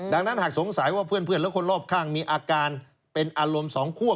ดังนั้นหากสงสัยว่าเพื่อนและคนรอบข้างมีอาการเป็นอารมณ์สองคั่ว